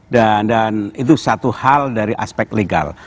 dan itu satu hal dari aspek legal